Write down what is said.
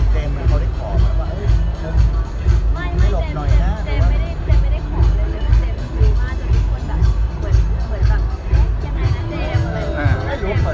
แต่ก่อนหน้าเหมือนตรงรูปแต่ไม่ได้เห็นโปร